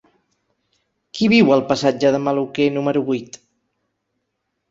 Qui viu al passatge de Maluquer número vuit?